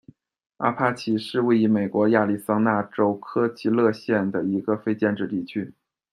阿帕契是位于美国亚利桑那州科奇斯县的一个非建制地区。